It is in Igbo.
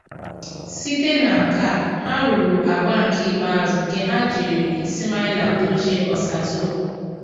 Site na nkea a, ha ruru agba nke ikpeazụ nke ha jiri Ismaila dochie Osazuwa.